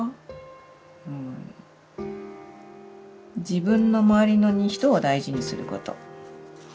「自分のまわりの人を大事にすること」。